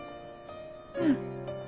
うん。